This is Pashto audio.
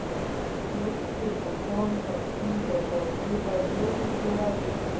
څوک چې اوښان ساتي، دروازې به لوړې جوړوي.